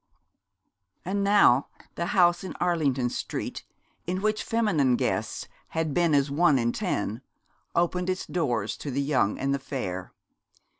And now the house in Arlington Street in which feminine guests had been as one in ten, opened its doors to the young and the fair.